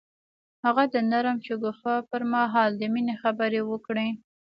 هغه د نرم شګوفه پر مهال د مینې خبرې وکړې.